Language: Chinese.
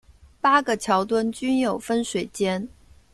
八个桥墩均有分水尖。